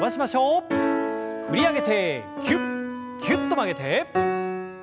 振り上げてぎゅっぎゅっと曲げて。